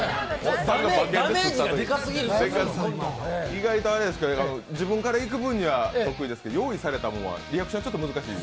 意外とあれですね、自分からいく分には得意ですけど用意されたもんはリアクション難しい？